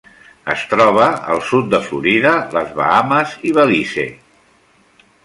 Es troba al sud de Florida, les Bahames i Belize.